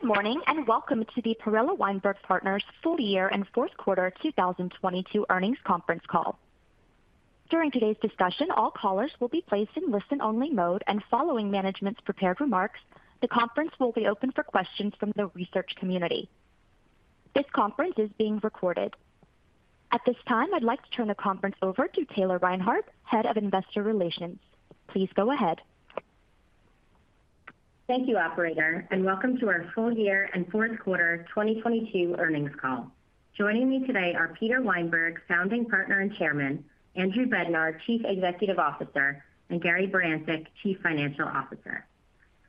Good morning, and welcome to the Perella Weinberg Partners Full Year and Fourth Quarter 2022 Earnings Conference Call. During today's discussion, all callers will be placed in listen-only mode, and following management's prepared remarks, the conference will be open for questions from the research community. This conference is being recorded. At this time, I'd like to turn the conference over to Taylor Reinhardt, Head of Investor Relations. Please go ahead. Thank you, operator, and welcome to our full year and fourth quarter 2022 earnings call. Joining me today are Peter Weinberg, Founding Partner and Chairman, Andrew Bednar, Chief Executive Officer, and Gary Barancik, Chief Financial Officer.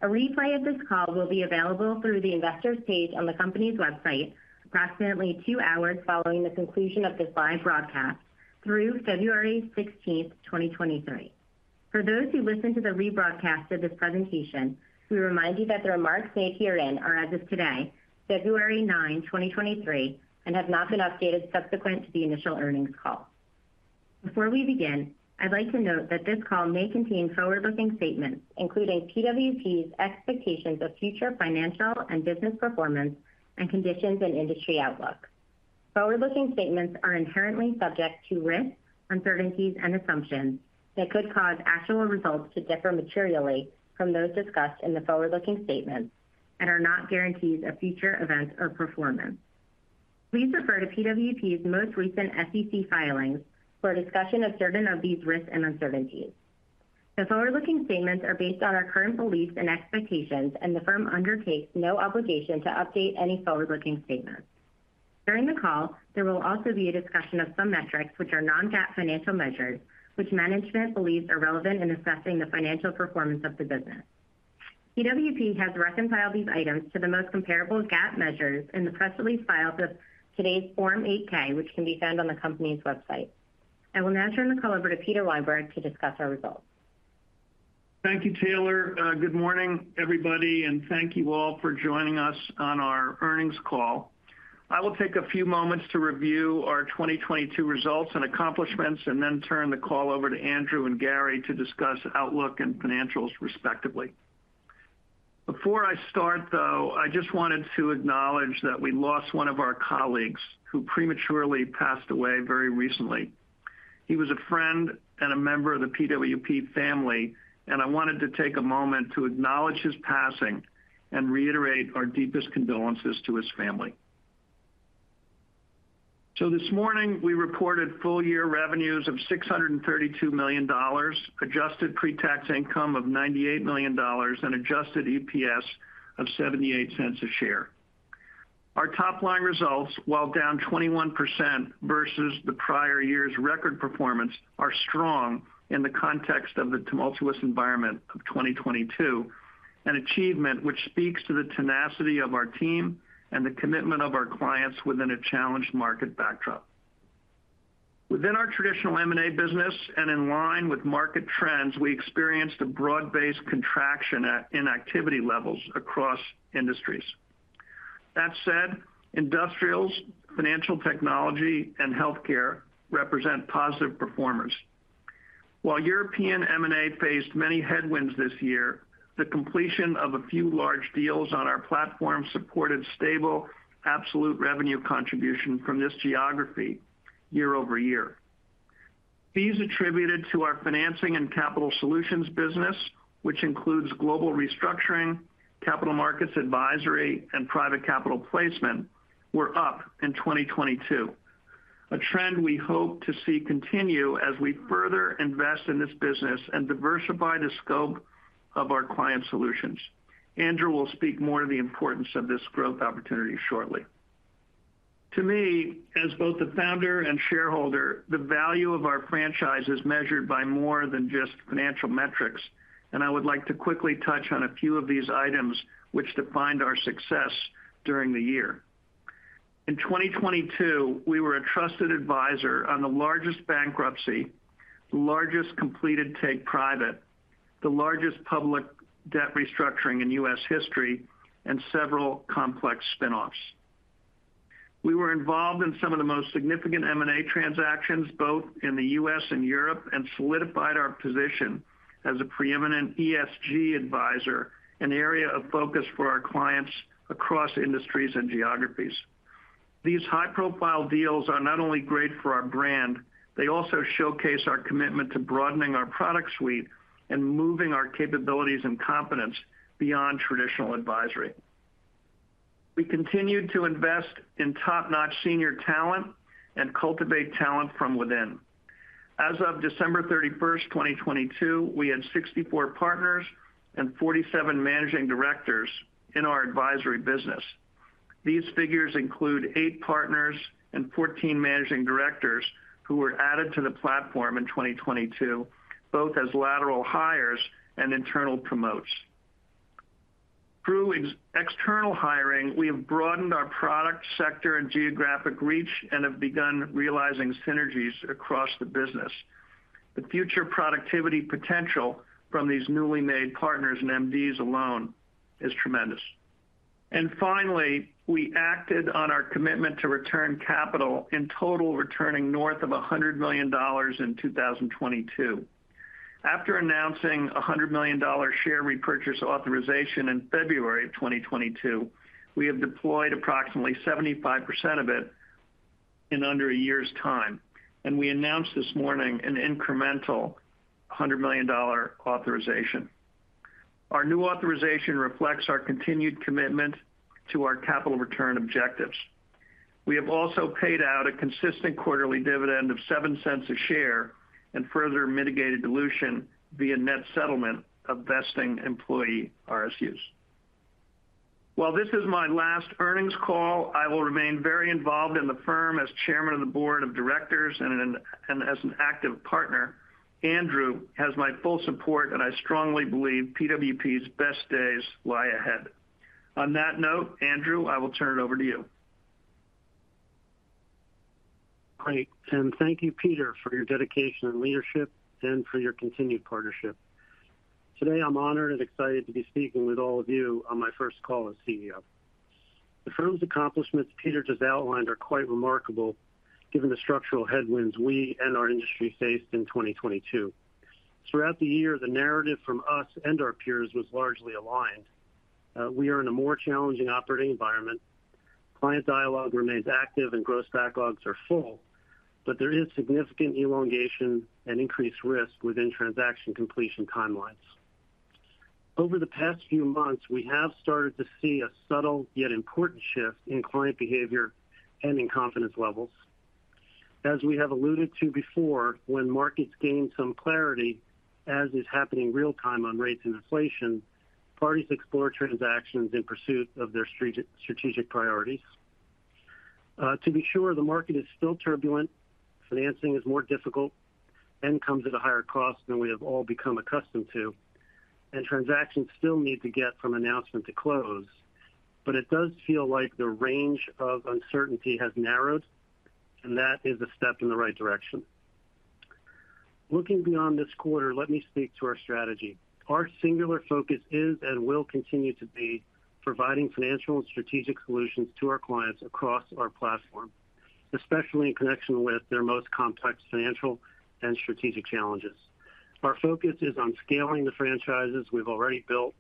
A replay of this call will be available through the investor's page on the company's website approximately two hours following the conclusion of this live broadcast through February 16, 2023. For those who listen to the rebroadcast of this presentation, we remind you that the remarks made herein are as of today, February 9, 2023, and have not been updated subsequent to the initial earnings call. Before we begin, I'd like to note that this call may contain forward-looking statements, including PWP's expectations of future financial and business performance and conditions and industry outlook. Forward-looking statements are inherently subject to risks, uncertainties and assumptions that could cause actual results to differ materially from those discussed in the forward-looking statements and are not guarantees of future events or performance. Please refer to PWP's most recent SEC filings for a discussion of certain of these risks and uncertainties. The forward-looking statements are based on our current beliefs and expectations, and the firm undertakes no obligation to update any forward-looking statements. During the call, there will also be a discussion of some metrics which are non-GAAP financial measures, which management believes are relevant in assessing the financial performance of the business. PWP has reconciled these items to the most comparable GAAP measures in the press release filed of today's Form 8-K, which can be found on the company's website. I will now turn the call over to Peter Weinberg to discuss our results. Thank you, Taylor. Good morning, everybody, and thank you all for joining us on our earnings call. I will take a few moments to review our 2022 results and accomplishments and then turn the call over to Andrew and Gary to discuss outlook and financials respectively. Before I start, though, I just wanted to acknowledge that we lost one of our colleagues who prematurely passed away very recently. He was a friend and a member of the PWP family, and I wanted to take a moment to acknowledge his passing and reiterate our deepest condolences to his family. This morning we reported full year revenues of $632 million, adjusted pre-tax income of $98 million and adjusted EPS of $0.78 a share. Our top line results, while down 21% versus the prior year's record performance, are strong in the context of the tumultuous environment of 2022, an achievement which speaks to the tenacity of our team and the commitment of our clients within a challenged market backdrop. Within our traditional M&A business and in line with market trends, we experienced a broad-based contraction in activity levels across industries. That said, industrials, financial technology and healthcare represent positive performers. While European M&A faced many headwinds this year, the completion of a few large deals on our platform supported stable absolute revenue contribution from this geography year-over-year. Fees attributed to our financing and capital solutions business, which includes global restructuring, capital markets advisory, and private capital placement, were up in 2022. A trend we hope to see continue as we further invest in this business and diversify the scope of our client solutions. Andrew will speak more to the importance of this growth opportunity shortly. To me, as both the founder and shareholder, the value of our franchise is measured by more than just financial metrics. I would like to quickly touch on a few of these items which defined our success during the year. In 2022, we were a trusted advisor on the largest bankruptcy, largest completed take-private, the largest public debt restructuring in U.S. history, and several complex spin-offs. We were involved in some of the most significant M&A transactions, both in the U.S. and Europe, and solidified our position as a preeminent ESG advisor, an area of focus for our clients across industries and geographies. These high-profile deals are not only great for our brand, they also showcase our commitment to broadening our product suite and moving our capabilities and competence beyond traditional advisory. We continued to invest in top-notch senior talent and cultivate talent from within. As of December 31, 2022, we had 64 partners and 47 managing directors in our advisory business. These figures include eight partners and 14 managing directors who were added to the platform in 2022, both as lateral hires and internal promotes. Through external hiring, we have broadened our product sector and geographic reach and have begun realizing synergies across the business. The future productivity potential from these newly made partners and MDs alone is tremendous. Finally, we acted on our commitment to return capital in total returning north of $100 million in 2022. After announcing a $100 million share repurchase authorization in February of 2022, we have deployed approximately 75% of it in under a year's time. We announced this morning an incremental $100 million authorization. Our new authorization reflects our continued commitment to our capital return objectives. We have also paid out a consistent quarterly dividend of $0.07 a share and further mitigated dilution via net settlement of vesting employee RSUs. While this is my last earnings call, I will remain very involved in the firm as chairman of the board of directors and as an active partner. Andrew has my full support, and I strongly believe PWP's best days lie ahead. On that note, Andrew, I will turn it over to you. Great. Thank you, Peter, for your dedication and leadership and for your continued partnership. Today, I'm honored and excited to be speaking with all of you on my first call as CEO. The firm's accomplishments Peter just outlined are quite remarkable given the structural headwinds we and our industry faced in 2022. Throughout the year, the narrative from us and our peers was largely aligned. We are in a more challenging operating environment. Client dialogue remains active and gross backlogs are full. There is significant elongation and increased risk within transaction completion timelines. Over the past few months, we have started to see a subtle yet important shift in client behavior and in confidence levels. As we have alluded to before, when markets gain some clarity, as is happening real time on rates and inflation, parties explore transactions in pursuit of their strategic priorities. To be sure the market is still turbulent, financing is more difficult, and comes at a higher cost than we have all become accustomed to, and transactions still need to get from announcement to close. It does feel like the range of uncertainty has narrowed, and that is a step in the right direction. Looking beyond this quarter, let me speak to our strategy. Our singular focus is and will continue to be providing financial and strategic solutions to our clients across our platform, especially in connection with their most complex financial and strategic challenges. Our focus is on scaling the franchises we've already built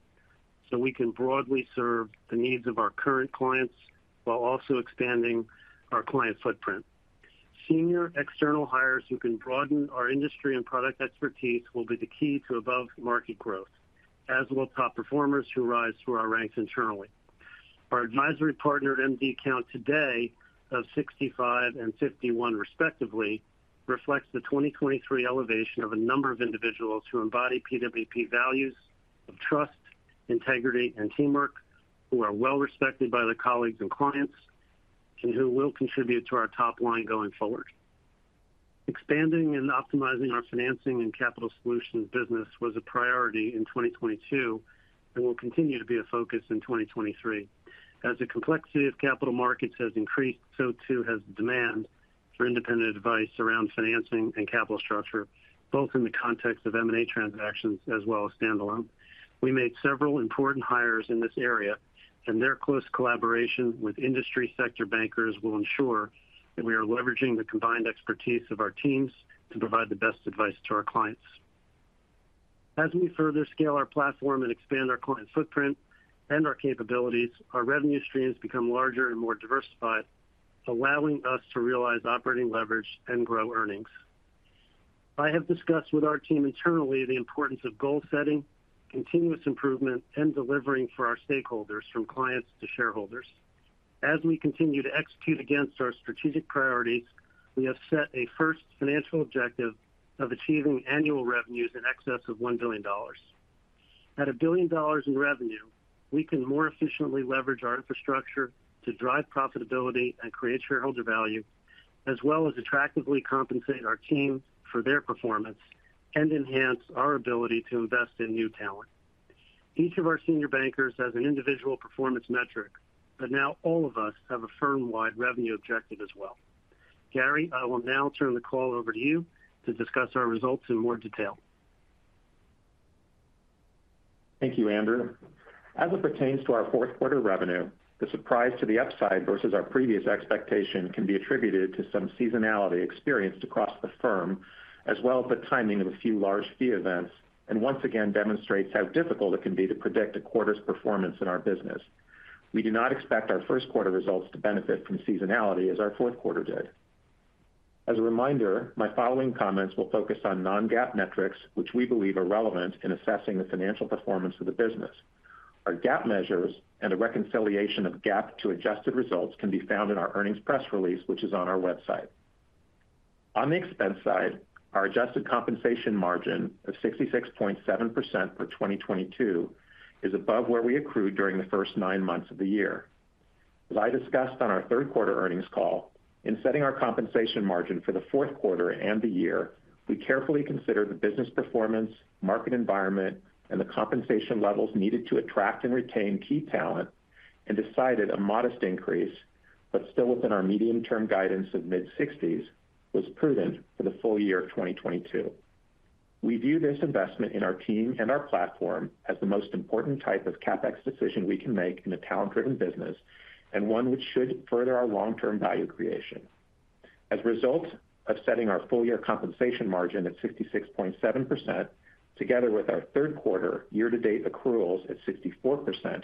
so we can broadly serve the needs of our current clients while also expanding our client footprint. Senior external hires who can broaden our industry and product expertise will be the key to above-market growth, as will top performers who rise through our ranks internally. Our advisory partner at MD count today of 65 and 51 respectively reflects the 2023 elevation of a number of individuals who embody PWP values of trust, integrity, and teamwork, who are well-respected by their colleagues and clients, and who will contribute to our top line going forward. Expanding and optimizing our financing and capital solutions business was a priority in 2022 and will continue to be a focus in 2023. As the complexity of capital markets has increased, so too has the demand for independent advice around financing and capital structure, both in the context of M&A transactions as well as standalone. We made several important hires in this area, and their close collaboration with industry sector bankers will ensure that we are leveraging the combined expertise of our teams to provide the best advice to our clients. As we further scale our platform and expand our client footprint and our capabilities, our revenue streams become larger and more diversified, allowing us to realize operating leverage and grow earnings. I have discussed with our team internally the importance of goal setting, continuous improvement, and delivering for our stakeholders, from clients to shareholders. As we continue to execute against our strategic priorities, we have set a first financial objective of achieving annual revenues in excess of $1 billion. At $1 billion in revenue, we can more efficiently leverage our infrastructure to drive profitability and create shareholder value, as well as attractively compensate our team for their performance and enhance our ability to invest in new talent. Each of our senior bankers has an individual performance metric. Now all of us have a firm-wide revenue objective as well. Gary, I will now turn the call over to you to discuss our results in more detail. Thank you, Andrew. As it pertains to our fourth quarter revenue, the surprise to the upside versus our previous expectation can be attributed to some seasonality experienced across the firm, as well as the timing of a few large fee events, and once again demonstrates how difficult it can be to predict a quarter's performance in our business. We do not expect our first quarter results to benefit from seasonality as our fourth quarter did. As a reminder, my following comments will focus on non-GAAP metrics, which we believe are relevant in assessing the financial performance of the business. Our GAAP measures and a reconciliation of GAAP to adjusted results can be found in our earnings press release, which is on our website. On the expense side, our adjusted compensation margin of 66.7% for 2022 is above where we accrued during the nine months of the year. As I discussed on our third quarter earnings call, in setting our compensation margin for the fourth quarter and the year, we carefully considered the business performance, market environment, and the compensation levels needed to attract and retain key talent and decided a modest increase, but still within our medium-term guidance of mid-sixties, was prudent for the full year of 2022. We view this investment in our team and our platform as the most important type of CapEx decision we can make in a talent-driven business, one which should further our long-term value creation. As a result of setting our full year compensation margin at 66.7%, together with our third quarter year-to-date accruals at 64%,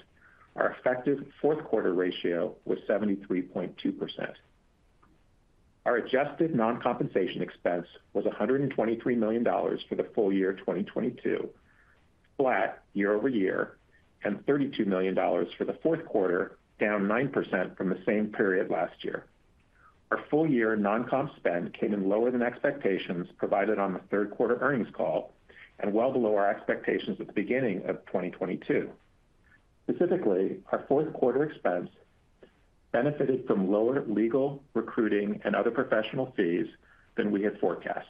our effective fourth quarter ratio was 73.2%. Our adjusted non-compensation expense was $123 million for the full year 2022, flat year-over-year, $32 million for the fourth quarter, down 9% from the same period last year. Our full year non-comp spend came in lower than expectations provided on the third quarter earnings call well below our expectations at the beginning of 2022. Specifically, our fourth quarter expense benefited from lower legal, recruiting, and other professional fees than we had forecast.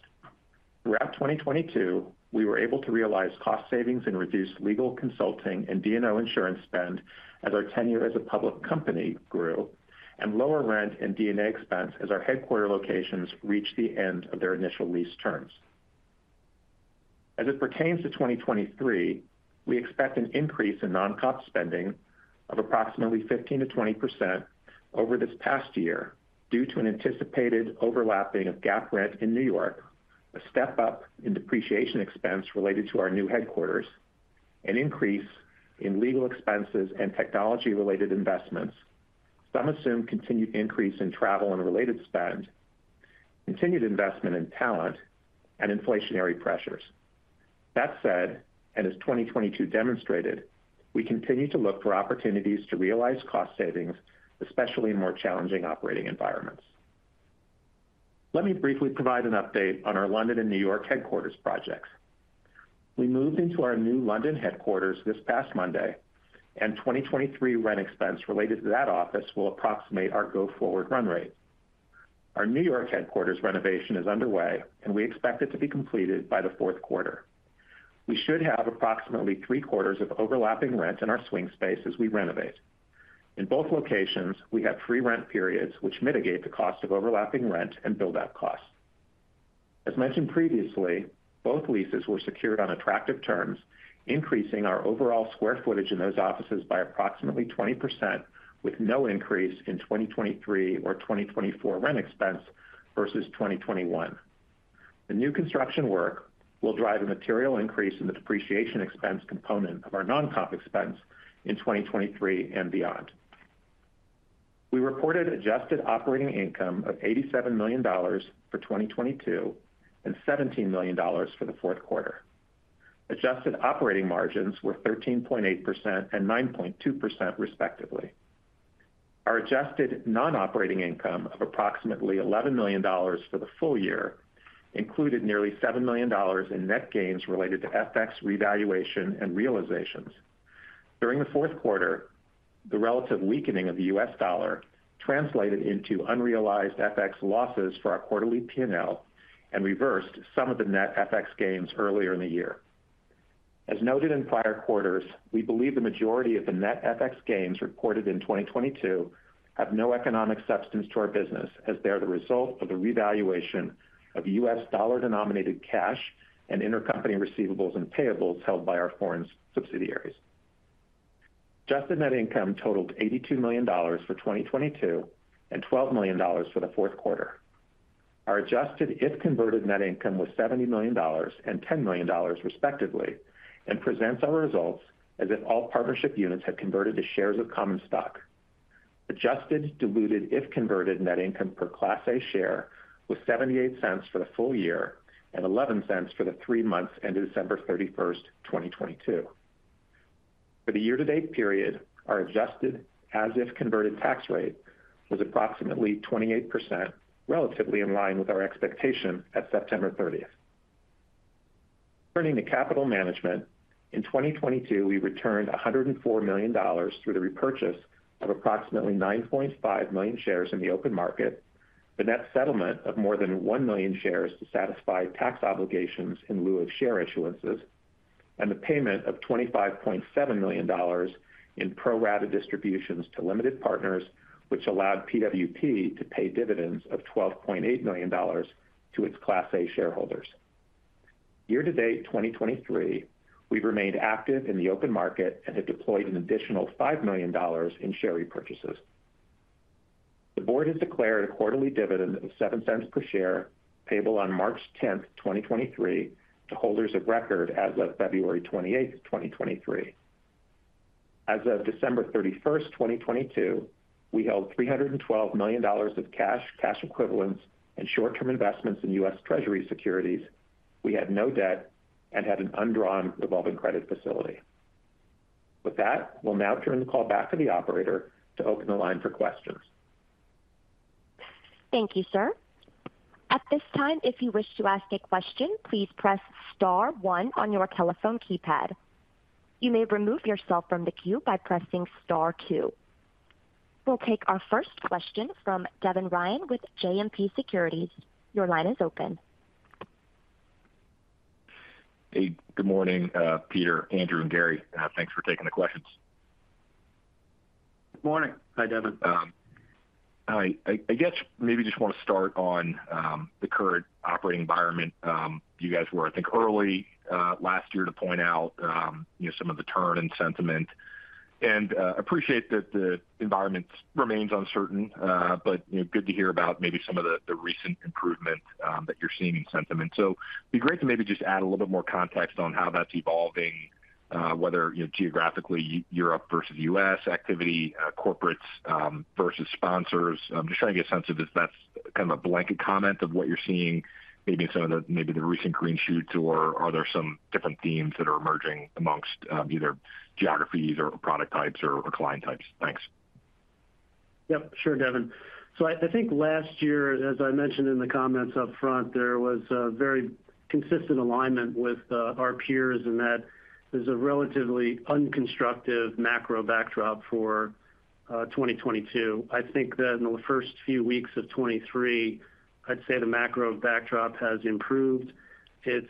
Throughout 2022, we were able to realize cost savings and reduce legal consulting and D&O insurance spend as our tenure as a public company grew, and lower rent and D&A expense as our headquarter locations reached the end of their initial lease terms. As it pertains to 2023, we expect an increase in non-comp spending of approximately 15%-20% over this past year due to an anticipated overlapping of GAAP rent in New York, a step-up in depreciation expense related to our new headquarters, an increase in legal expenses and technology-related investments. Some assume continued increase in travel and related spend, continued investment in talent, and inflationary pressures. That said, and as 2022 demonstrated, we continue to look for opportunities to realize cost savings, especially in more challenging operating environments. Let me briefly provide an update on our London and New York headquarters projects. We moved into our new London headquarters this past Monday. 2023 rent expense related to that office will approximate our go-forward run rate. Our New York headquarters renovation is underway, and we expect it to be completed by the fourth quarter. We should have approximately three-quarters of overlapping rent in our swing space as we renovate. In both locations, we have free rent periods, which mitigate the cost of overlapping rent and build-out costs. As mentioned previously, both leases were secured on attractive terms, increasing our overall square footage in those offices by approximately 20% with no increase in 2023 or 2024 rent expense versus 2021. The new construction work will drive a material increase in the depreciation expense component of our non-comp expense in 2023 and beyond. We reported adjusted operating income of $87 million for 2022 and $17 million for the fourth quarter. Adjusted operating margins were 13.8% and 9.2%, respectively. Our adjusted non-operating income of approximately $11 million for the full year included nearly $7 million in net gains related to FX revaluation and realizations. During the fourth quarter, the relative weakening of the US dollar translated into unrealized FX losses for our quarterly P&L and reversed some of the net FX gains earlier in the year. As noted in prior quarters, we believe the majority of the net FX gains reported in 2022 have no economic substance to our business as they are the result of the revaluation of U.S. dollar-denominated cash and intercompany receivables and payables held by our foreign subsidiaries. Adjusted net income totaled $82 million for 2022 and $12 million for the fourth quarter. Our adjusted if converted net income was $70 million and $10 million, respectively, and presents our results as if all partnership units had converted to shares of common stock. Adjusted, diluted if converted net income per Class A share was $0.78 for the full year and $0.11 for the three months ended December 31, 2022. For the year-to-date period, our adjusted as if converted tax rate was approximately 28%, relatively in line with our expectation at September 30th. Turning to capital management. In 2022, we returned $104 million through the repurchase of approximately 9.5 million shares in the open market, the net settlement of more than 1 million shares to satisfy tax obligations in lieu of share issuances, and the payment of $25.7 million in pro rata distributions to limited partners, which allowed PWP to pay dividends of $12.8 million to its Class A shareholders. Year-to-date 2023, we've remained active in the open market and have deployed an additional $5 million in share repurchases. The board has declared a quarterly dividend of $0.07 per share, payable on March 10, 2023 to holders of record as of February 28, 2023. As of December 31, 2022, we held $312 million of cash equivalents and short-term investments in U.S. Treasury securities. We had no debt and had an undrawn revolving credit facility. With that, we'll now turn the call back to the operator to open the line for questions. Thank you, sir. At this time, if you wish to ask a question, please press star one on your telephone keypad. You may remove yourself from the queue by pressing star two. We'll take our first question from Devin Ryan with JMP Securities. Your line is open. Hey, good morning, Peter, Andrew, and Gary. Thanks for taking the questions. Good morning. Hi, Devin. Hi. I guess maybe just want to start on the current operating environment. You guys were, I think, early last year to point out, you know, some of the turn in sentiment. Appreciate that the environment remains uncertain, but, you know, good to hear about maybe some of the recent improvements that you're seeing in sentiment. Be great to maybe just add a little bit more context on how that's evolving, whether, you know, geographically Europe versus U.S. activity, corporates versus sponsors. I'm just trying to get a sense of if that's kind of a blanket comment of what you're seeing maybe in some of the recent green shoots, or are there some different themes that are emerging amongst either geographies or product types or client types? Thanks. Yep, sure, Devin. I think last year, as I mentioned in the comments up front, there was a very consistent alignment with our peers in that there's a relatively unconstructive macro backdrop for 2022. I think that in the first few weeks of 2023, I'd say the macro backdrop has improved. It's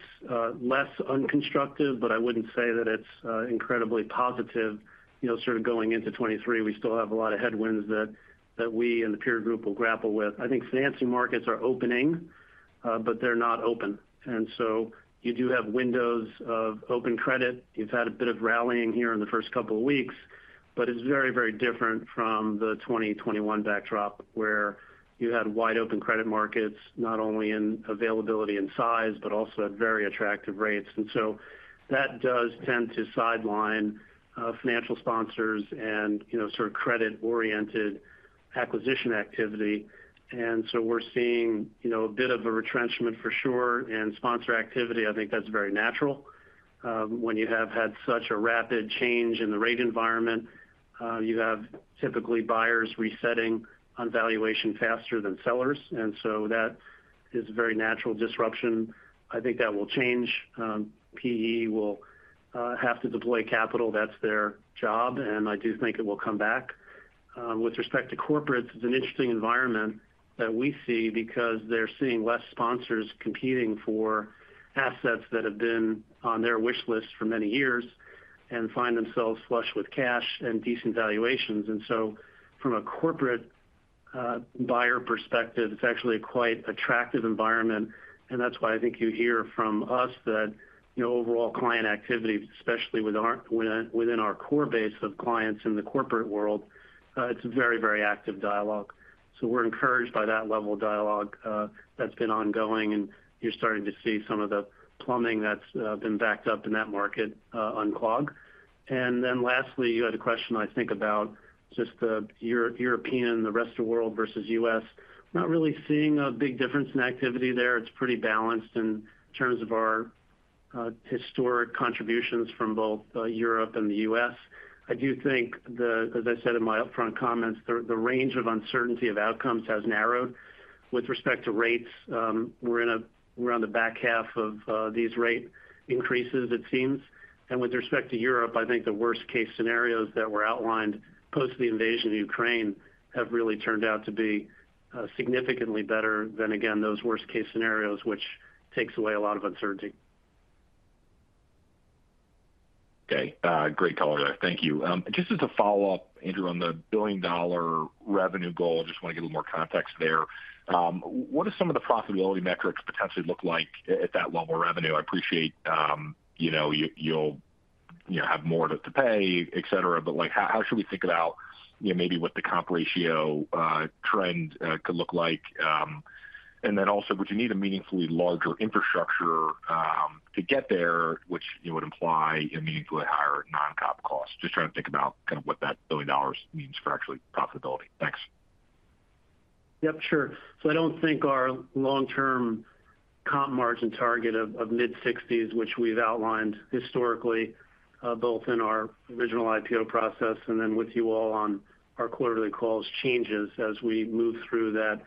less unconstructive, but I wouldn't say that it's incredibly positive. You know, sort of going into 2023, we still have a lot of headwinds that we and the peer group will grapple with. I think financing markets are opening, but they're not open. You do have windows of open credit. You've had a bit of rallying here in the first couple of weeks, but it's very, very different from the 2021 backdrop, where you had wide-open credit markets, not only in availability and size, but also at very attractive rates. That does tend to sideline financial sponsors and, you know, sort of credit-oriented acquisition activity. We're seeing, you know, a bit of a retrenchment for sure in sponsor activity. I think that's very natural. When you have had such a rapid change in the rate environment, you have typically buyers resetting on valuation faster than sellers. That is a very natural disruption. I think that will change. PE will have to deploy capital. That's their job, and I do think it will come back. With respect to corporates, it's an interesting environment that we see because they're seeing less sponsors competing for assets that have been on their wish list for many years and find themselves flush with cash and decent valuations. From a corporate, buyer perspective, it's actually a quite attractive environment. That's why I think you hear from us that, you know, overall client activity, especially within our core base of clients in the corporate world, it's a very, very active dialogue. We're encouraged by that level of dialogue that's been ongoing, and you're starting to see some of the plumbing that's been backed up in that market unclog. Lastly, you had a question, I think, about just the European and the rest of the world versus U.S. Not really seeing a big difference in activity there. It's pretty balanced in terms of our historic contributions from both Europe and the U.S. I do think as I said in my upfront comments, the range of uncertainty of outcomes has narrowed. With respect to rates, we're on the back half of these rate increases, it seems. With respect to Europe, I think the worst case scenarios that were outlined post the invasion of Ukraine have really turned out to be significantly better than, again, those worst case scenarios, which takes away a lot of uncertainty. Okay. Great color there. Thank you. Just as a follow-up, Andrew, on the billion-dollar revenue goal, just want to get a little more context there. What do some of the profitability metrics potentially look like at that level of revenue? I appreciate, you know, you'll, you know, have more to pay, et cetera. Like, how should we think about, you know, maybe what the comp ratio, trend, could look like? Then also, would you need a meaningfully larger infrastructure, to get there, which would imply a meaningfully higher non-comp cost? Just trying to think about kind of what that billion dollars means for actually profitability. Thanks. Yep, sure. I don't think our long-term comp margin target of mid-60s, which we've outlined historically, both in our original IPO process and then with you all on our quarterly calls, changes as we move through that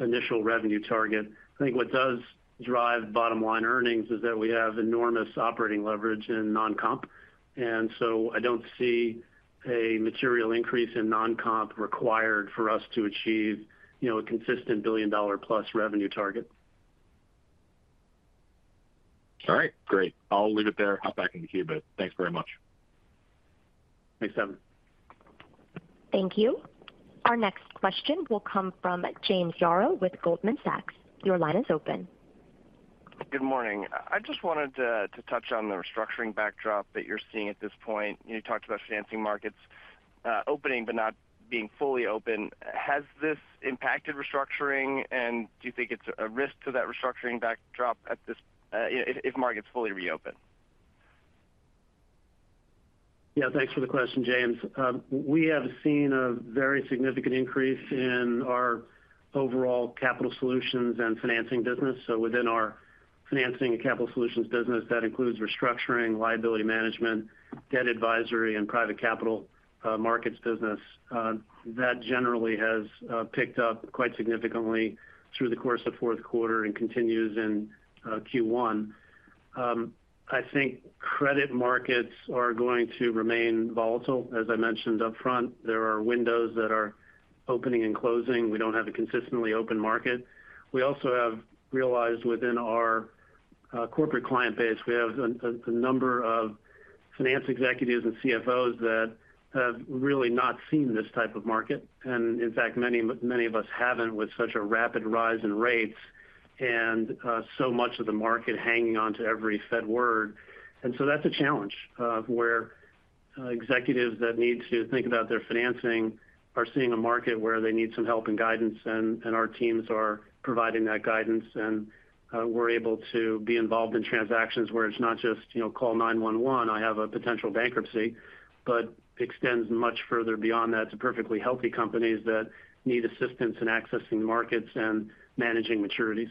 initial revenue target. I think what does drive bottom line earnings is that we have enormous operating leverage in non-comp. I don't see a material increase in non-comp required for us to achieve, you know, a consistent billion-dollar plus revenue target. All right, great. I'll leave it there. Hop back into queue, but thanks very much. Thanks, Devin. Thank you. Our next question will come from James Yaro with Goldman Sachs. Your line is open. Good morning. I just wanted to touch on the restructuring backdrop that you're seeing at this point. You talked about financing markets opening but not being fully open. Has this impacted restructuring, and do you think it's a risk to that restructuring backdrop if markets fully reopen? Yeah, thanks for the question, James. We have seen a very significant increase in our overall capital solutions and financing business. Within our financing and capital solutions business, that includes restructuring, liability management, debt advisory, and private capital markets business. That generally has picked up quite significantly through the course of fourth quarter and continues in Q1. I think credit markets are going to remain volatile. As I mentioned upfront, there are windows that are opening and closing. We don't have a consistently open market. We also have realized within our corporate client base, we have a number of finance executives and CFOs that have really not seen this type of market. In fact, many of us haven't with such a rapid rise in rates and so much of the market hanging on to every Fed word. That's a challenge of where executives that need to think about their financing are seeing a market where they need some help and guidance, and our teams are providing that guidance. We're able to be involved in transactions where it's not just, you know, "Call 911, I have a potential bankruptcy," but extends much further beyond that to perfectly healthy companies that need assistance in accessing markets and managing maturities.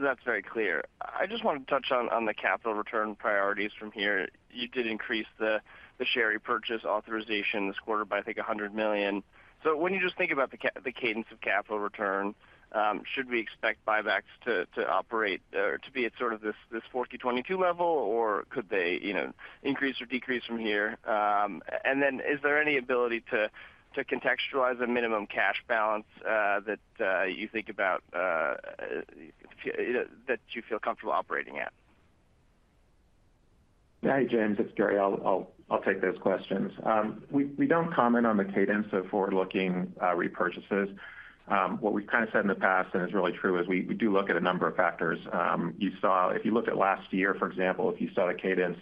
That's very clear. I just want to touch on the capital return priorities from here. You did increase the share repurchase authorization this quarter by, I think, $100 million. When you just think about the cadence of capital return, should we expect buybacks to operate or to be at sort of this 40 2022 level? Or could they, you know, increase or decrease from here? Is there any ability to contextualize a minimum cash balance that you think about that you feel comfortable operating at? Hey, James, it's Gary. I'll take those questions. We don't comment on the cadence of forward-looking repurchases. What we've kind of said in the past, and it's really true, is we do look at a number of factors. If you look at last year, for example, if you saw the cadence,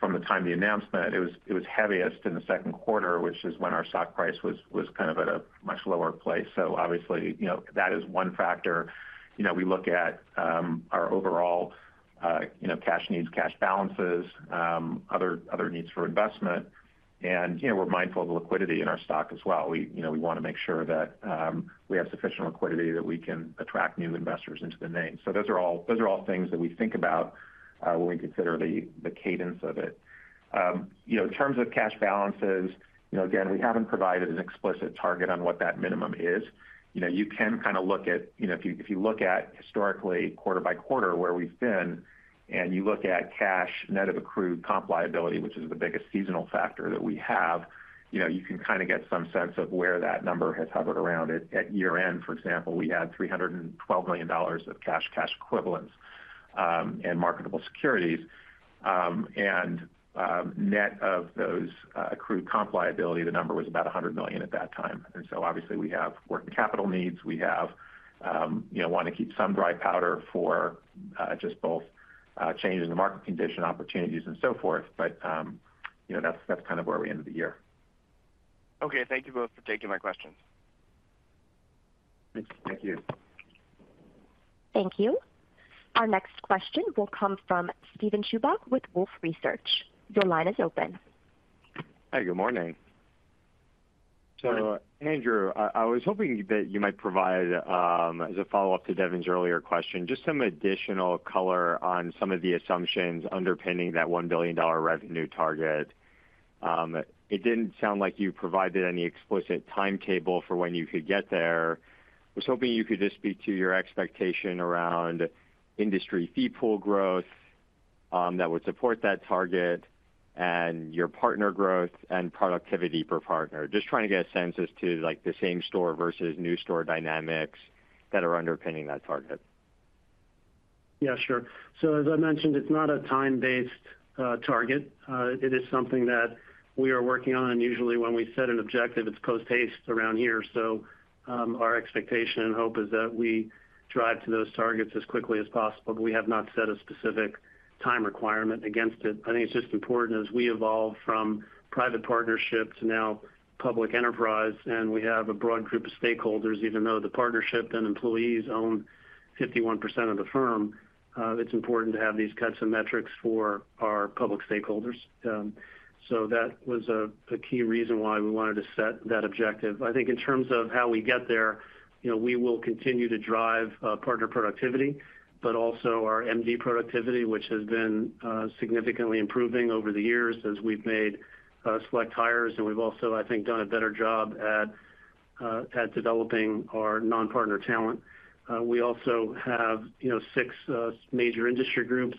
from the time of the announcement, it was heaviest in the second quarter, which is when our stock price was kind of at a much lower place. Obviously, you know, that is one factor. You know, we look at our overall, you know, cash needs, cash balances, other needs for investment. You know, we're mindful of the liquidity in our stock as well. We, you know, we wanna make sure that we have sufficient liquidity that we can attract new investors into the name. Those are all things that we think about when we consider the cadence of it. You know, in terms of cash balances, you know, again, we haven't provided an explicit target on what that minimum is. You know, you can kind of look at, you know, if you, if you look at historically quarter by quarter where we've been and you look at cash net of accrued comp liability, which is the biggest seasonal factor that we have, you know, you can kind of get some sense of where that number has hovered around. At year-end, for example, we had $312 million of cash equivalents, and marketable securities. Net of those accrued comp liability, the number was about $100 million at that time. Obviously we have working capital needs. We have, you know, want to keep some dry powder for just both changes in the market condition, opportunities, and so forth. You know, that's kind of where we ended the year. Okay. Thank you both for taking my questions. Thank you. Thank you. Thank you. Our next question will come from Steven Chubak with Wolfe Research. Your line is open. Good morning. Andrew, I was hoping that you might provide, as a follow-up to Devin's earlier question, just some additional color on some of the assumptions underpinning that $1 billion revenue target. It didn't sound like you provided any explicit timetable for when you could get there. I was hoping you could just speak to your expectation around industry fee pool growth, that would support that target and your partner growth and productivity per partner. Just trying to get a sense as to, like, the same store versus new store dynamics that are underpinning that target. Yeah, sure. As I mentioned, it's not a time-based target. It is something that we are working on. Usually when we set an objective, it's posthaste around here. Our expectation and hope is that we drive to those targets as quickly as possible, but we have not set a specific time requirement against it. I think it's just important as we evolve from private partnerships to now public enterprise, and we have a broad group of stakeholders, even though the partnership and employees own 51% of the firm, it's important to have these kinds of metrics for our public stakeholders. That was a key reason why we wanted to set that objective. I think in terms of how we get there, you know, we will continue to drive partner productivity, but also our MD productivity, which has been significantly improving over the years as we've made select hires. We've also, I think, done a better job at developing our non-partner talent. We also have, you know, 6 major industry groups.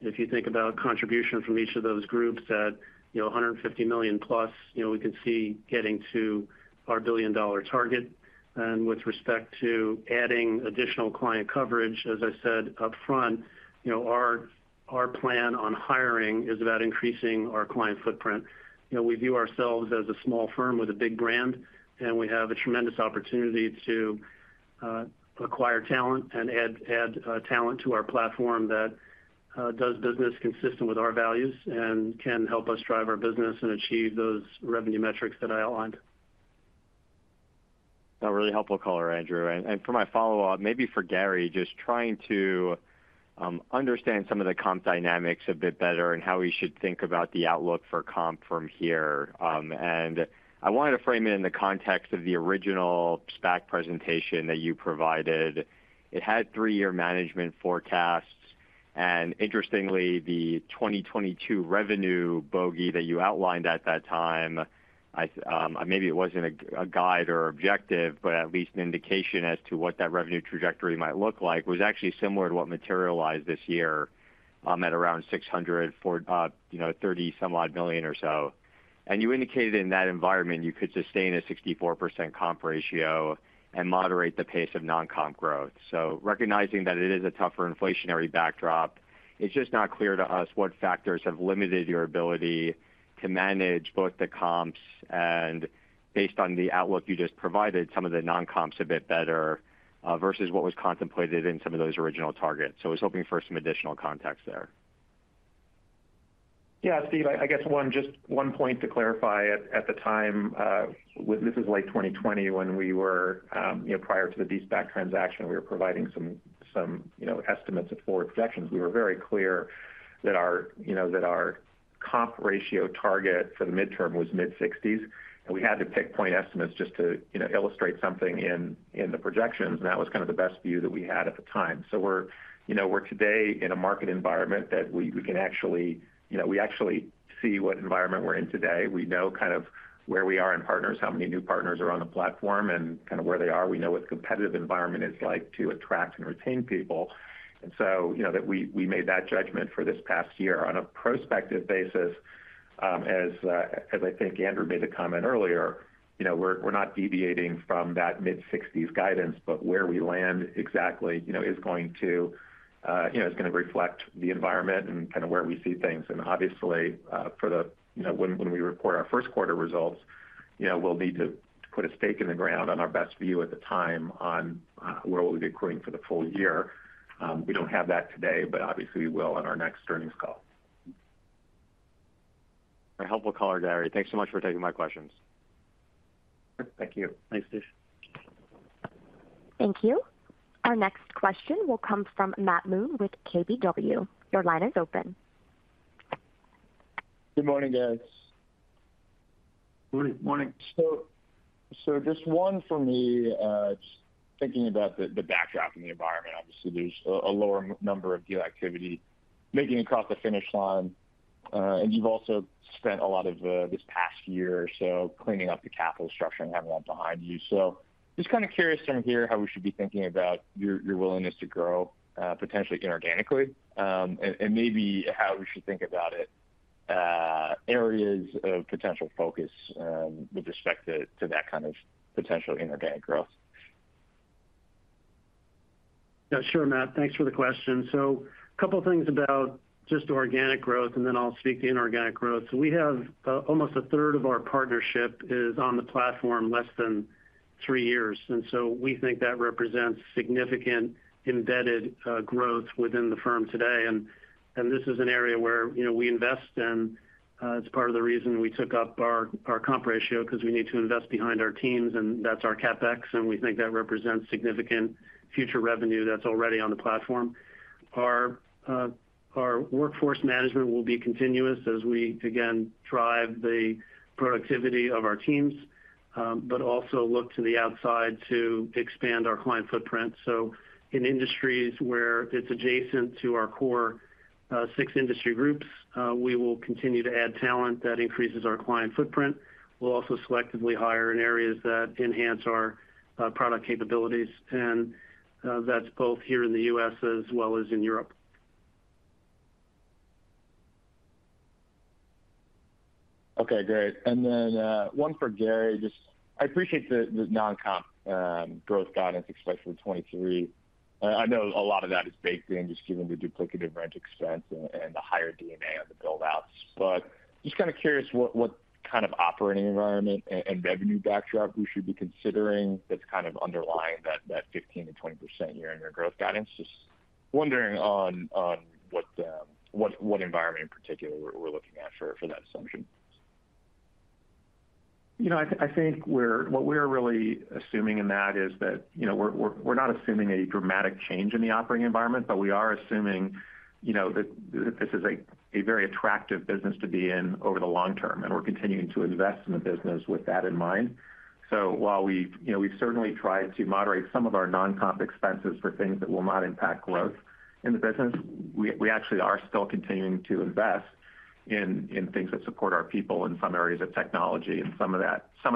If you think about contribution from each of those groups at, you know, $150 million plus, you know, we could see getting to our $1 billion target. With respect to adding additional client coverage, as I said upfront, you know, our plan on hiring is about increasing our client footprint. You know, we view ourselves as a small firm with a big brand, and we have a tremendous opportunity to acquire talent and add talent to our platform that does business consistent with our values and can help us drive our business and achieve those revenue metrics that I outlined. A really helpful color, Andrew. For my follow-up, maybe for Gary, just trying to understand some of the comp dynamics a bit better and how we should think about the outlook for comp from here. I wanted to frame it in the context of the original SPAC presentation that you provided. It had three-year management forecasts. And interestingly, the 2022 revenue bogey that you outlined at that time, maybe it wasn't a guide or objective, but at least an indication as to what that revenue trajectory might look like, was actually similar to what materialized this year, at around $604, you know, thirty some odd million or so. And you indicated in that environment you could sustain a 64% comp ratio and moderate the pace of non-comp growth. Recognizing that it is a tougher inflationary backdrop, it's just not clear to us what factors have limited your ability to manage both the comps, and based on the outlook you just provided, some of the non-comps a bit better versus what was contemplated in some of those original targets. I was hoping for some additional context there. Steve, I guess one, just one point to clarify. At the time, this is late 2020 when we were, you know, prior to the de-SPAC transaction, we were providing some, you know, estimates and forward projections. We were very clear that our, you know, that our comp ratio target for the midterm was mid-sixties, and we had to pick point estimates just to, you know, illustrate something in the projections, and that was kind of the best view that we had at the time. We're, you know, we're today in a market environment that we can actually, you know, we actually see what environment we're in today. We know kind of where we are in partners, how many new partners are on the platform, and kind of where they are. We know what the competitive environment is like to attract and retain people. You know, that we made that judgment for this past year. On a prospective basis, as I think Andrew made the comment earlier, you know, we're not deviating from that mid-60s guidance, but where we land exactly, you know, is going to, you know, is gonna reflect the environment and kind of where we see things. Obviously, for the, you know, when we report our first quarter results, you know, we'll need to put a stake in the ground on our best view at the time on where we'll be accruing for the full year. We don't have that today, but obviously we will on our next earnings call. A helpful color, Gary. Thanks so much for taking my questions. Thank you. Thanks, Steve. Thank you. Our next question will come from Matt Moon with KBW. Your line is open. Good morning, guys. Good morning. Just one for me. Just thinking about the backdrop in the environment. Obviously, there's a lower number of deal activity making it across the finish line. And you've also spent a lot of this past year or so cleaning up the capital structure and having that behind you. Just kind of curious to hear how we should be thinking about your willingness to grow potentially inorganically. And maybe how we should think about it, areas of potential focus with respect to that kind of potential inorganic growth. Yeah, sure, Matt, thanks for the question. A couple things about just organic growth, and then I'll speak to inorganic growth. We have almost a third of our partnership is on the platform less than three years, we think that represents significant embedded growth within the firm today. This is an area where, you know, we invest in. It's part of the reason we took up our comp ratio, 'cause we need to invest behind our teams, and that's our CapEx, and we think that represents significant future revenue that's already on the platform. Our workforce management will be continuous as we again drive the productivity of our teams, but also look to the outside to expand our client footprint. In industries where it's adjacent to our core, six industry groups, we will continue to add talent that increases our client footprint. We'll also selectively hire in areas that enhance our product capabilities. That's both here in the U.S. as well as in Europe. Okay, great. One for Gary. Just I appreciate the non-comp growth guidance expected for 2023. I know a lot of that is baked in just given the duplicative rent expense and the higher D&A on the build outs. Just kinda curious what kind of operating environment and revenue backdrop we should be considering that's kind of underlying that 15%-20% year-over-year growth guidance. Just wondering on what environment in particular we're looking at for that assumption. You know, I think what we're really assuming in that is that, you know, we're not assuming a dramatic change in the operating environment. We are assuming, you know, that this is a very attractive business to be in over the long term, and we're continuing to invest in the business with that in mind. While we've, you know, we've certainly tried to moderate some of our non-comp expenses for things that will not impact growth in the business, we actually are still continuing to invest in things that support our people in some areas of technology. Some of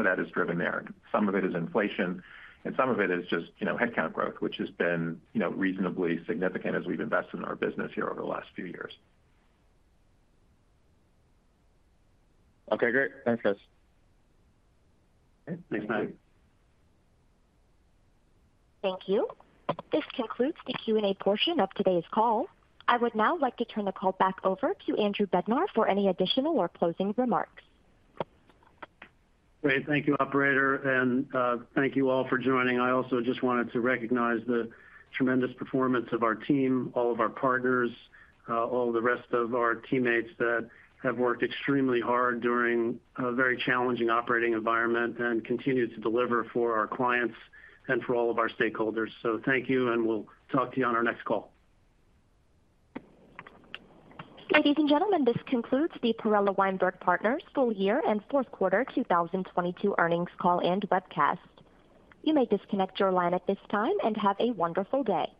that is driven there. Some of it is inflation, and some of it is just, you know, headcount growth, which has been, you know, reasonably significant as we've invested in our business here over the last few years. Okay, great. Thanks, guys. Okay. Thanks, Matt. Thank you. This concludes the Q&A portion of today's call. I would now like to turn the call back over to Andrew Bednar for any additional or closing remarks. Great. Thank you, operator, and thank you all for joining. I also just wanted to recognize the tremendous performance of our team, all of our partners, all the rest of our teammates that have worked extremely hard during a very challenging operating environment and continue to deliver for our clients and for all of our stakeholders. Thank you, and we'll talk to you on our next call. Ladies and gentlemen, this concludes the Perella Weinberg Partners full year and fourth quarter 2022 earnings call and webcast. You may disconnect your line at this time, and have a wonderful day.